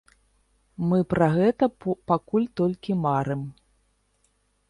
Мы пра гэта пакуль толькі марым.